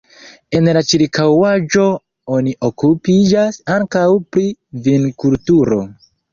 En la ĉirkaŭaĵo oni okupiĝas ankaŭ pri vinkulturo.